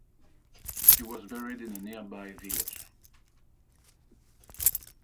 He was buried in a nearby village.